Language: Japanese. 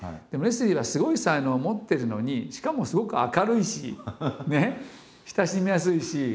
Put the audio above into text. でもレスリーはすごい才能を持ってるのにしかもすごく明るいしね親しみやすいし。